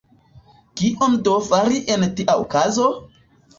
Kion do fari en tia okazo?